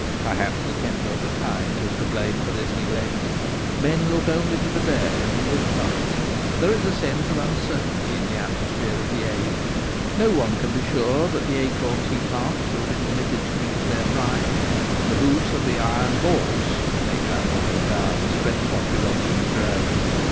Perhaps the temper of the times is to blame for this neglect : men look only to the day and live fast. There is a sense of uncertainty in the atmosphere of the age : no one can be sure that the acorns he plants will be permitted to reach their prime, the hoofs of the ' iron horse * may trample them down as fresh populations grow.